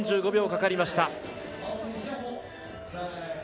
４５秒かかりました。